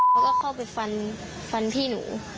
เขาก็เข้าไปฟันฟันพี่หนู